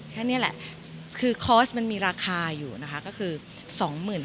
แค่เนี้ยแหละคือมันมีราคาอยู่นะคะก็คือสองหมื่น